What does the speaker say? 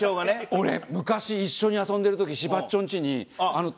俺昔一緒に遊んでる時柴っちょんちに。